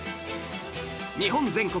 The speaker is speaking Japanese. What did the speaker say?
日本全国